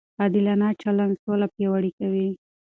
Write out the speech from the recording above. عادلانه چلند سوله پیاوړې کوي.